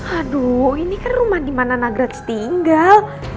aduh ini kan rumah dimana nagraj tinggal